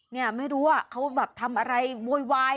เนี่ยไม่รู้ว่าเขาแบบทำอะไรโวยวาย